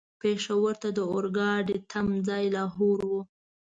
پېښور ته د اورګاډي تم ځای لاهور و.